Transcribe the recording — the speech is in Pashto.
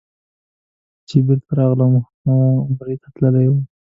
چې بېرته راغلم حوا هم عمرې ته تللې وه.